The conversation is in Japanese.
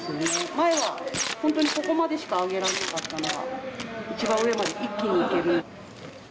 前は本当にここまでしか上げられなかったのが一番上まで一気にいける。